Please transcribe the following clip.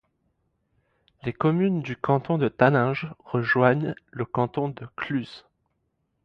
Les communes du canton de Taninges rejoignent le canton de Cluses.